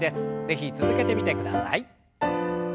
是非続けてみてください。